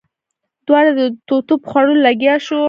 دواړه د توتو په خوړلو لګيا شول.